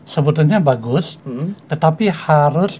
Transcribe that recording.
sebetulnya bagus tetapi harus